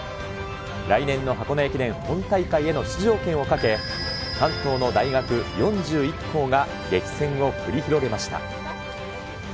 来年の箱根駅伝本大会への出場権をかけ、関東の大学４１校が激戦を繰り広げました。